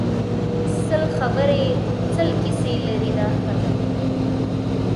سل خبری سل کیسی لري دا خلک